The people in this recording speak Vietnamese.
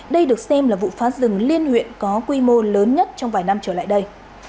đây được xem là vụ phá rừng liên huyện có quy mô lớn nhất trong vài năm trở lại đây